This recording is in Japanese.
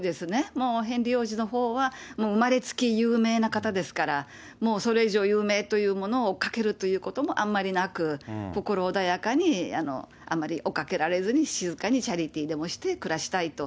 もうヘンリー王子のほうは、もう生まれつき有名な方ですから、もうそれ以上有名というものを追っかけるということもあんまりなく、心穏やかにあんまり追っかけられずに、チャリティーでもして暮らしたいと。